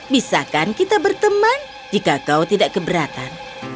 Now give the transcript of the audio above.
bisakan kita berteman jika kau tidak keberatan